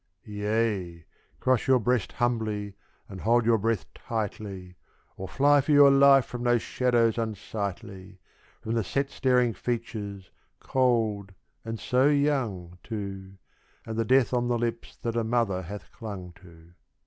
Yea, cross your breast humbly and hold your breath tightly, Or fly for your life from those shadows unsightly, From the set staring features (cold, and so young, too), And the death on the lips that a mother hath clung to.